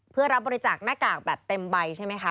เพื่อรับบริจาคหน้ากากแบบเต็มใบใช่ไหมคะ